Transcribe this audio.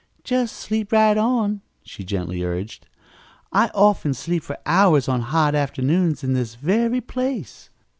"Just sleep right on," she gently urged. "I often sleep for hours on hot afternoons in this very place."